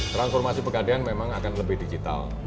transformasi pegadean memang akan lebih digital